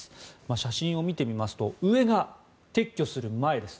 写真を見てみますと上が撤去する前です。